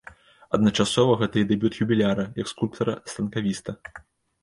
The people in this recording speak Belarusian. Адначасова гэта і дэбют юбіляра як скульптара-станкавіста.